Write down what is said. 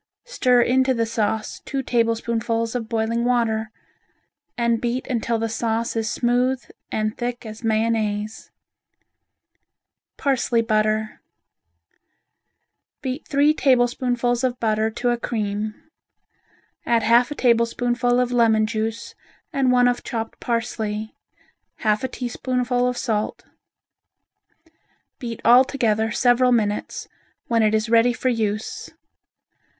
Stir into the sauce two tablespoonfuls of boiling water, and beat until the sauce is smooth and thick as mayonnaise. Parsley Butter Beat three tablespoonfuls of butter to a cream. Add half a tablespoonful of lemon juice and one of chopped parsley, half a teaspoonful of salt. Beat all together several minutes, when it is ready for use.